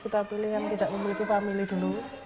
kita pilih yang tidak memiliki family dulu